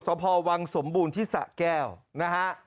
สพวังสมบูรณ์ที่สะแก้วนะฮะ